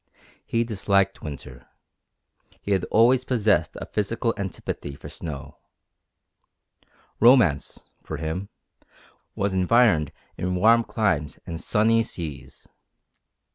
He disliked winter; he had always possessed a physical antipathy for snow; romance, for him, was environed in warm climes and sunny seas.